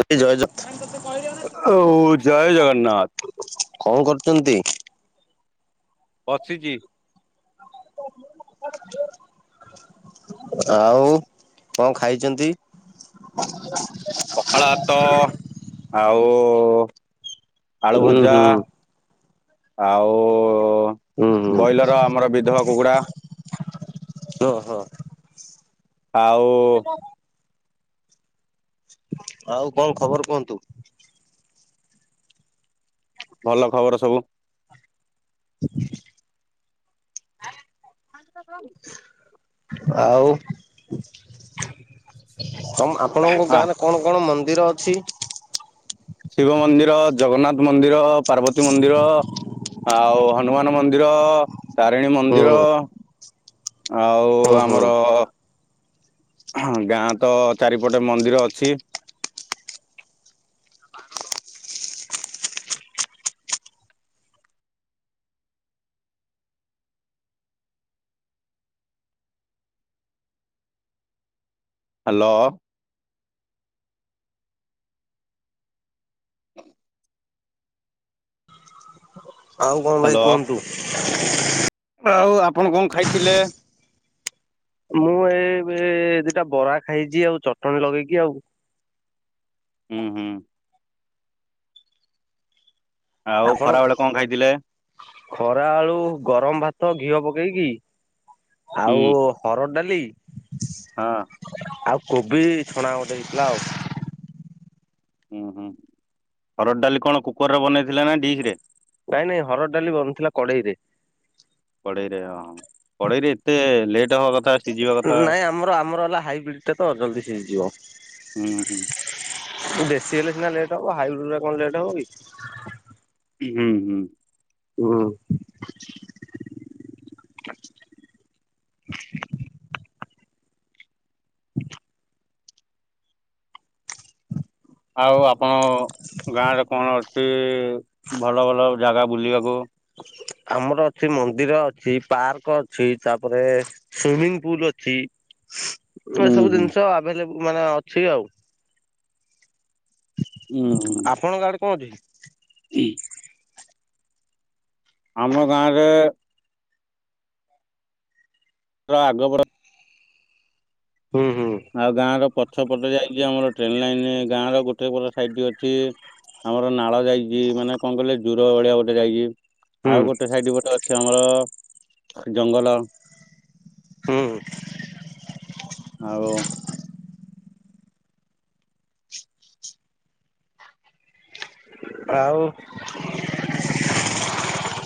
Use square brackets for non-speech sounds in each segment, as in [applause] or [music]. ଜୟ ଜଗନ୍ନାଥ ଓ ଜୟ ଜଗନ୍ନାତ୍। କଂ କର୍ଚନ୍ତି। ପଛିଚି। ଆଉ କଂ ଖାଇଚନ୍ତି। ପଖାଳ ହାତ ଆଉ ଆଳୁ ଉୁଁ ଭଜା। ହୁଁ ଆଉ ହୁଁ ହୁଁ ବଇଲର ଆମର ବିଧବା କୁକୁଡ଼ା। ହଁ ହୋ। ଆଉ ଆଉ କଂ ଖବର କୁହନ୍ତୁ। ଭଲ ଖବର ସବୁ। [inaudible] [unintelligible] [inaudible] ଆଉ ତମ ଆପଣଙ୍କ ଆ ଗାଁରେ କଣ କଣ ମନ୍ଦିର ଅଛି? ଶିବ ମନ୍ଦିର, ଜଗନ୍ନାଥ ମନ୍ଦିର, ପାର୍ବତୀ ମନ୍ଦିର ଆଉ ହନୁମାନ ମନ୍ଦିର ତାରିଣୀ ହୁଁ ମନ୍ଦିର ଆଉ ହୁଁ ହୁଁ ଆମର ହଁ ଗାଁ ତ ଚାରିପଟେ ମନ୍ଦିର ଅଛି। ହ୍ୟାଲୋ? [inaudible] ଆଉ କଣ ଭାଇ ହ୍ୟାଲୋ କୁହନ୍ତୁ। ଆଉ ଆପଣ କଣ ଖାଇଥିଲେ? ମୁଁ ଏ ଦିଟା ବରା ଖାଇଛି ଆଉ ଚଟଣି ଲଗେଇକି ଆଉ। ହୁଁ ହୁଁ। ଆଉ ଆପଣ ଖରା ବେଳେ କଣ ଖାଇଥିଲେ? ଖରା ଆଳୁ ଗରମ ଭାତ ଘିଅ ପକେଇକି ହୁଁ ଆଉ ହରଡ଼ ଡାଲି ହଁ। ଆଉ କୋବି ଛଣା ଗୋଟେ ଦହେଇଥିଲା ଆଉ। ହୁଁ ହୁଁ, ହରଡ଼ ଡାଲି କଣ କୁକରରେ ବନେଇଥିଲେ ନା ଡିିଶ୍ ରେ? ନାଇଁ ନାଇଁ ହର ଡାଲି ବନିଥିଲା କଡେଇ ରେ। କଡେଇରେ ଅ ହୂ କଡେଇରେ। [unintelligible] ସିଝିବା କଥା ନାଇଁ ଆମର ଆମର ହେଲା ହାଇବ୍ରିଡ ଟା ତ ଜଲଦି ସିଝି ଯିବ। ହୁଁ ହୁଁ। ଦେଶୀ ହେଲେ ସିନା ଲେଟ୍ ହବ ହାଇବ୍ରିଡ ରେ କଣ ଲେଟ୍ ହବ କି? ହୁଁ ହୁଁ। ହୁଁ। ଆଉ ଆପଣ ଗାଁରେ କଣ ଅଛି ଭଲ ଭଲ ଜାଗା ବୁଲିବାକୁ? ଆମର ଅଛି ମନ୍ଦିର ଅଛି, ପାର୍କ ଅଛି ତାପରେ ସୁଇମିଂ ପୁଲ ଅଛି ଏ ଉୁଁ ସବୁ ହୁଁ ଜିନିଷ ଆଭେଲେବୁଲ ମାନେ ଅଛି ଆଉ। ଉୁଁ ହୁଁ। ଆପଣଙ୍କ ଆଡେ କଣ ଅଛି? [inaudible] ଆମ ଗାଁରେ ଆଗ [unintelligible] ହୁଁ ହଁ। ଆଉ ଗାଁ ର ପଛ ପଟେ ଯାଇକି ଆମର ଟ୍ରେନ ଲାଇନ ଗାଁ ର ଗୋଟେ ପଟ ସାଇଡଟି ଅଛି। ଆମର ନାଳ ଯାଇଛି ମାନେ କଣ କହିଲେ ଜୁର ଭଳିଆ ଗୋଟେ ଯାଇଛି। ହୁଁ ଆଉ ଗୋଟେ ସାଇଡ ପଟେ ଅଛି ଆମର ଜଙ୍ଗଲ। ହୁଁ। ଆଉ ଆଉ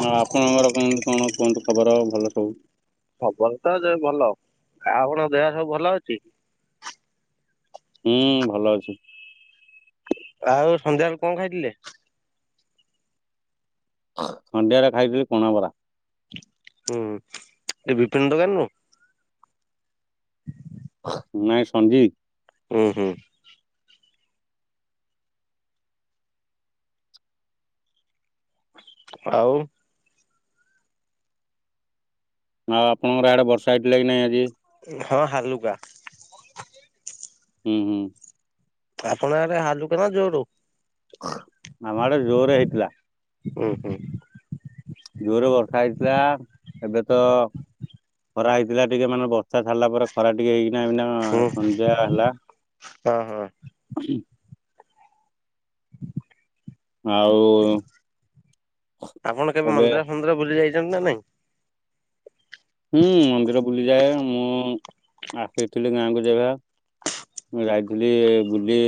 ଆ ଆପଣଙ୍କର କେମିତି କଣ କୁହନ୍ତୁ ଖବର ଭଲ ସବୁ? ଖବର ତ ଯ ଭଲ। ଆପଣଙ୍କ ଦେହ ସବୁ ଭଲ ଅଛି? ହୁଁ ଭଲ ଅଛି। ଆଉ ସନ୍ଧ୍ୟାବେଳେ କଣ ଖାଇଥିଲେ? ସନ୍ଧ୍ୟାରେ ଖାଇଥିଲି କଣା ବରା। ହୁଁ, ଏ ବିପିନ ଦୋକାନରୁୁ? ନାଇଁ ସଞ୍ଜୀବ୍। ହୁଁ ହୁଁ। ଆଉ ଆଉ ଆପଣଙ୍କର ଆଡେ ବର୍ଷା ହେଇଥିଲା କି ନାଇଁ ଆଜି? ହଁ ହାଲୁକା। ହୁଁ ହୁଁ। ଆପଣଙ୍କ ଆଡେ ହାଲୁକା ନା ଜୋର? ଆମ ଆଡେ ଜୋରେ ହେଇଥିଲା। ଉଁ ହୁଁ ହୁଁ। ଜୋରେ ବର୍ଷା ହେଇଥିଲା ଏବେ ତ ଖରା ହେଇଥିଲା ଟିକେ ମାନେ ବର୍ଷା ସାରିଲା ପରେ ଖରା ଟିକେ ହେଇକି ଏଇନା ହୁଁ ହଁ ସନ୍ଧ୍ୟା ହେଲା। ହଁ ହଁ ଆଉ ଆପଣ କେବେ ଏବେ ମନ୍ଦିର ଫନ୍ଦିର ବୁଲି ଯାଇଚନ୍ତି ନା ନାଇଁ? ହୁଁ ମନ୍ଦିର ବୁଲିଯାଏ ମୁଁ ଆସିଥିଲି ଗାଁକୁ ଯେବେ। ମୁଁ ଯାଇଥିଲି ବୁଲି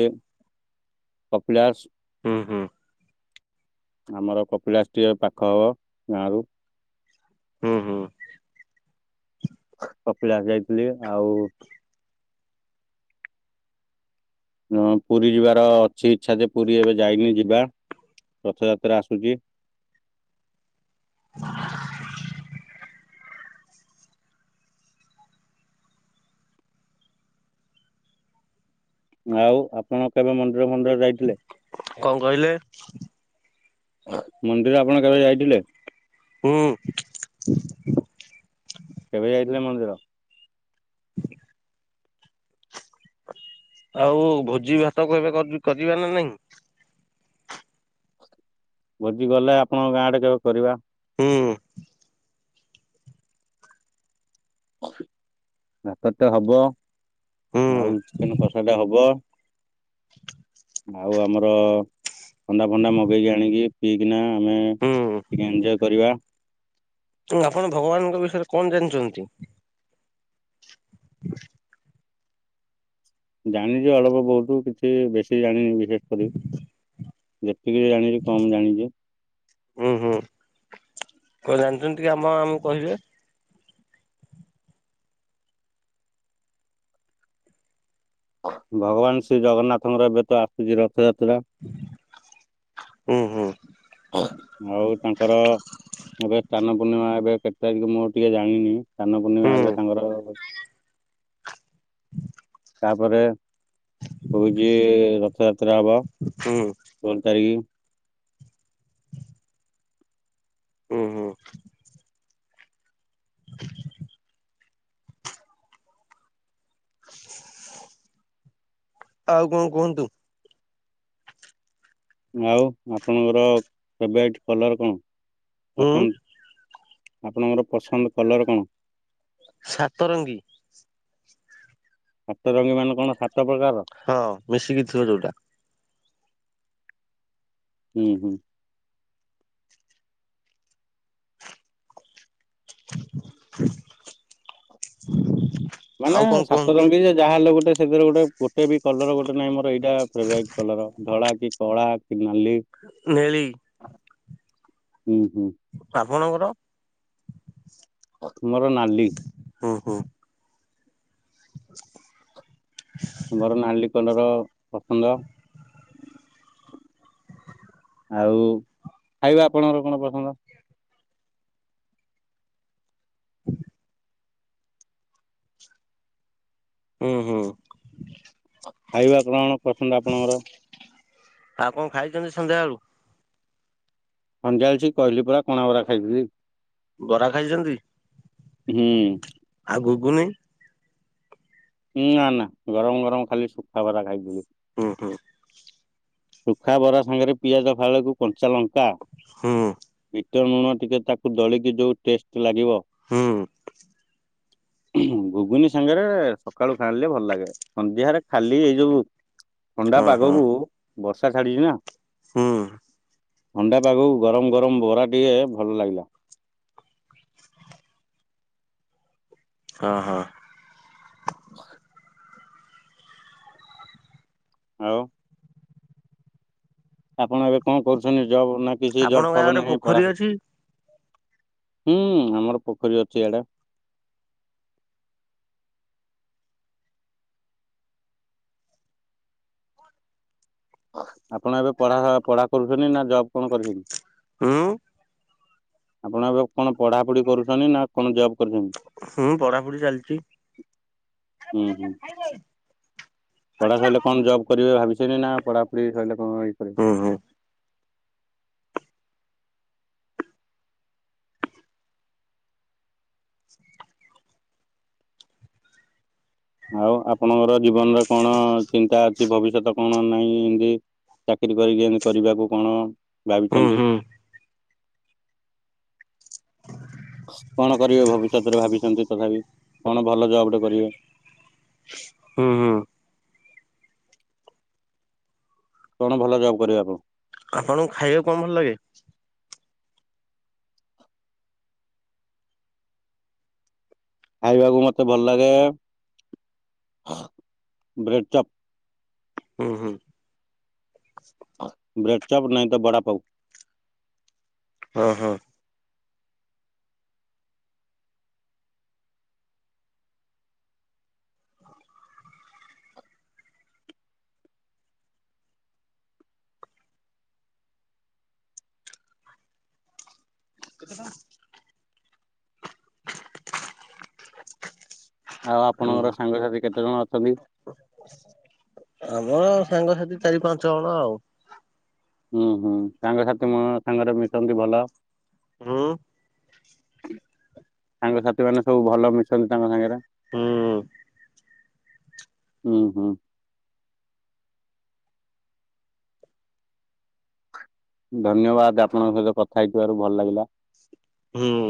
କପିଳାସ। ହୁଁ ହୁଁ। ଆମର କପିଳାସ ଟିକେ ପାଖ ହବ ଗାଁରୁ। ହୁଁ ହୁଁ। କପିଳାସ ଯାଇଥିଲି ଆଉ ମୁଁ ପୁରୀ ଯିବାର ଅଛି ଇଚ୍ଛା ଯେ ପୁରୀ ଏବେ ଯାଇନି ଯିବା ରଥଯାତ୍ରା ଆସୁଚି। ଆଉ ଆପଣ କେବେ ମନ୍ଦିର ଫନ୍ଦିର ଯାଇଥିଲେ? କଣ କହିଲେ? ମନ୍ଦିର ଆପଣ କେବେ ଯାଇଥିଲେ? ହୁଁ। କେବେ ଯାଇଥିଲେ ମନ୍ଦିର? ହ [inaudible] ଆଉ ଭୋଜି ଭାତ କୁ ଏବେ କରିବା ନା ନାହିଁ? ଭୋଜି ଗଲେ ଆପଣଙ୍କ ଗାଁ ଆଡେ କେବେ କରିବା? ହୁଁ। ଭାତଟେ ହବ। ଆଉ ହୁଁ ଚିକେନେ କଷାଟେ ହବ ଆଉ ଆମର ଥଣ୍ଡା ଫଣ୍ଡା ମଗେଇକି ଆଣିକି ପିଇକିନା ଆମେ ହୁଁ ଟିକେ ଏଞ୍ଜୟ୍ କରିବା। ଆପଣ ଭଗବାନଙ୍କ ବିଷୟରେ କଣ ଜାଣିଚନ୍ତି? ଜାଣିଚି ଅଳ୍ପ ବହୁତୁ କିଛି ବେଶୀ ଜାଣିନି ବିଶେଷ କରି। ଯେତିକି ବି ଜାଣିିଚି କମ୍ ଜାଣିଚି। ହୁଁ ହୁଁ, କଣ ଜାଣିଚନ୍ତି ଟିକେ ଆମ ଆମକୁ କହିବେ? ଭଗବାନ ଶ୍ରୀ ଜଗନ୍ନାଥଙ୍କର ଏବେ ତ ଆସୁଚି ରଥଯାତ୍ରା। ହୁଁ ହୁଁ। ଆଉ ତାଙ୍କର ଏବେ ସ୍ଥାନ ପୂର୍ଣ୍ଣିମା ଏବେ କେତେ ତାରିଖ ମୁଁ ଟିକେ ଜାଣିନି। ସ୍ଥାନପୂର୍ଣ୍ଣିମା ହୁଁ ଏବେ ତାଙ୍କର ତାପରେ ହଉଚି ରଥଯାତ୍ରା ହବ ହୁଁ ଷୋଳ ତାରିଖ। ହୁଁ ହୁଁ। [unintelligible] ଆଉ କଣ କୁହନ୍ତୁ? ଆଉ ଆପଣଙ୍କର ଫେବରାଇଟ୍ କଲର କଣ? ହୁଁ ପସନ୍ଦ୍। ଆପଣଙ୍କର ପସନ୍ଦ୍ କଲର କଣ? ସାତରଙ୍ଗୀ। ସାତ ରଙ୍ଗୀ ମାନେ କଣ ସାତ ପ୍ରକାର? ହଁ, ମିଶିକି ଥିବ ଯୋଉଟା। ହୁଁ ହୁଁ। [unintelligible] ମାନେ ସାତ କୁହନ୍ତୁ? ରଙ୍ଗୀ ଯେ, ଯାହା ହେଲେ ଗୋଟେ ସେଥେରେ ଗୋଟେ, ଗୋଟେ ବି କଲର ଗୋଟେ ନାହିଁ ମୋର ଏଇ ଫେବରାଇଟ୍ କଲର, ଧଳା କି, କଳା କି, ନାଲି? ନେଳି। ହୁଁ ହୁଁ। ଆପଣଙ୍କର? ମୋର ନାଲି। ହଁ ହୋ। [unintelligible] ତମର ନାଲି କଲର୍ ପସନ୍ଦ। ଆଉ ହୁଁ ହୁଁ। ଖାଇବା କଣ ପସନ୍ଦ ଆପଣଙ୍କର? ଆଉ କଣ ଖାଇଚନ୍ତି ସନ୍ଧ୍ୟାବେେଳୁ? ସନ୍ଧ୍ୟା ବେଳ ସିଇ କହିଲି ପରା କଣା ବରା ଖାଇଥିଲି ଇ। ବରା ଖାଇଚନ୍ତି? ହୁଁ। ଆଉ ଗୁଗୁନି? ନା ନା, ଗରମ ଗରମ ଖାଲି ଶୁଖା ବରା ଖାଇଥିଲି। ହୁଁ ହୁଁ। ଶୁଖା ବରା ସାଙ୍ଗରେ ପିଆଜ ଫାଳକୁ କଞ୍ଚା ଲଙ୍କା ହୁଁ ବିଟ ଲୁଣ ଟିକେ ତାକୁ ଦଳିକି ଯେଉଁ ଟେଷ୍ଟ୍ ଲାଗିବ ହୁଁ। ଘୁଗୁନି ସାଙ୍ଗରେ ସକାଳୁ ଖାଣିଲେ ଭଲ ଲାଗେ। ସନ୍ଧ୍ୟାରେ ଖାଲି ଏଇ ଯୋଉ ଥଣ୍ଡା ହଁ ହଁ ପାଗକୁ, ବର୍ଷା ଛାଡିଛି ନା? ହୁଁ ଥଣ୍ଡା ପାଗକୁ ଗରମ ଗରମ ବରା ଟିକେ, ଭଲ ଲାଗିଲା। ହଁ ହଁ। [unintelligible] ଆଉ ଆପଣ ଏବେ କଣ କରୁଚନ୍ତି ଜବ୍, ନା କିଛି ଜବ୍ ଆପଣଙ୍କ ଗାଁ ଫବ୍ ଗୋଟେ ନାହିଁ, ପୋଖରୀ ପଢା ଅଛି? ହୁଁ, ଆମର ପୋଖରୀ ଅଛି ଏଇଡେ। ଆପଣ ଏବେ ପଢା ପଢା କରୁଚନ୍ତି, ନା ଜବ୍ କଣ କରୁଚନ୍ତି? ହୁଁ ଆପଣ ଏବେ କଣ ପଢାପଢି କରୁଚନ୍ତି, ନା କଣ ଜବ୍ କରୁଚନ୍ତି? ହୁଁ, ପଢାପଢି ଚାଲିଚି। [unintelligible] ହୁଁ ହୁଁ। ପଢ଼ା ସଇଲେ କଣ ଜବ୍ କରିବେ ଭାବିଛନ୍ତି ନା ପଢାପଢି ସରିଲେ କଣ ଇଏ କରିବେ? ହୁଁ ହୁଁ ଆଉ ଆପଣଙ୍କର ଜୀବନରେ କଣ ଚିନ୍ତା ଅଛି ଭବିଷ୍ୟତ କଣ ନାହିଁ ଏମତି ଚାକିରୀ କରି ଏମିତି କରିବାକୁ କଣ ହୁଁ ଭାବିଛନ୍ତି? ହୁଁ କଣ କରିବେ ଭବିଷ୍ୟତରେ ଭାବିଛନ୍ତି ତଥାପି କଣ ଭଲ ଜବଟେ କରିବେ? ହୁଁ ହୁଁ। କଣ ଭଲ ଜବ୍ କରିବେ ଆପ ଆପଣଙ୍କୁ ଖାଇବାକୁ କଣ ଭଲ ଲାଗେ? ଖାଇବାକୁ ମତେ ଭଲ ଲାଗେ ବ୍ରେଡ ଚପ। ହୁଁ ହୁଁ। ବ୍ରେଡ ଚପ୍ ନାହିଁ ତ ବଡା ପାଉ। ହଁ ହଁ। ଆଉ ଆପଣଙ୍କର ହୁଁ। ସାଙ୍ଗସାଥି କେତେ ଜଣ ଅଛନ୍ତି? ହଁ ସାଙ୍ଗସାଥି ଚାରି ପାଞ୍ଚ ଜଣ ଆଉ। ହୁଁ ହୁଁ ସାଙ୍ଗସାଥି ମୋ ସାଙ୍ଗରେ ମିଶନ୍ତି ଭଲ। ହୁଁ ସାଙ୍ଗ ସାଥି ମାନେ ସବୁ ଭଲ ମିଶନ୍ତି ତାଙ୍କ ସାଙ୍ଗରେ। ହୁଁ ହୁଁ, ହୁଁ। ଧନ୍ୟବାଦ ଆପଣଙ୍କ ସହିତ କଥା ହେଇଥିବାରୁ ଭଲ ଲାଗିଲା। ହୁଁ।